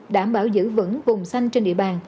đảm bảo giữ vững vùng xanh trên địa bàn